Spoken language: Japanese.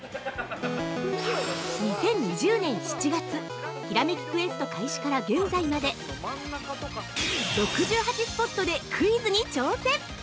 ◆２０２０年７月「ひらめきクエスト」開始から現在まで６８スポットでクイズに挑戦！